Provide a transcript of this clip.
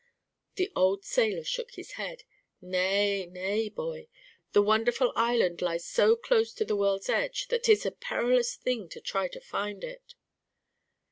The old sailor shook his head. "Nay, nay, boy. The wonderful island lies so close to the world's edge that 'tis a perilous thing to try to find it."